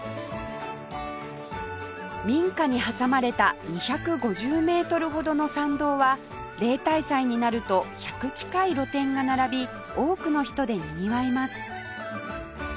民家に挟まれた２５０メートルほどの参道は例大祭になると１００近い露店が並び多くの人でにぎわいます